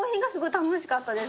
楽しかったです。